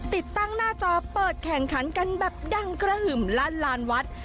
ติดตั้งหน้าจอเปิดแข่งขันกันแบบดังกระหึ่มลั่นลานวัด